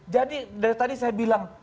jadi dari tadi saya bilang